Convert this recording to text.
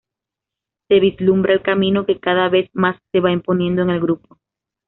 Se vislumbra el camino que cada vez más se va imponiendo en el grupo.